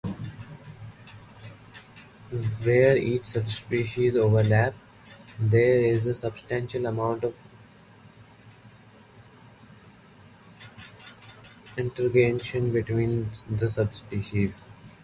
Where each subspecies overlaps there is a substantial amount of integration between the subspecies.